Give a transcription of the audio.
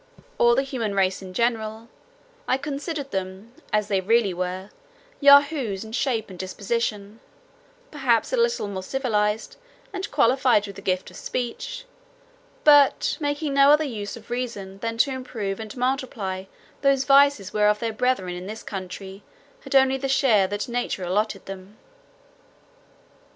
When I thought of my family, my friends, my countrymen, or the human race in general, I considered them, as they really were, Yahoos in shape and disposition, perhaps a little more civilized, and qualified with the gift of speech; but making no other use of reason, than to improve and multiply those vices whereof their brethren in this country had only the share that nature allotted them.